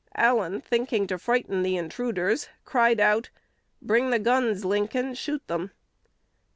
Allen, thinking to frighten the intruders, cried out, "Bring the guns, Lincoln; shoot them!"